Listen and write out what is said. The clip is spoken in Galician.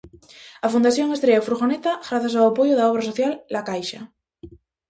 A fundación estrea furgoneta grazas ao apoio da Obra Social La Caixa.